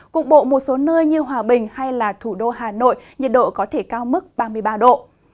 cục bộ một số nơi như hòa bình hay thủ đô hà nội nhiệt độ có thể cao mức ba mươi ba độ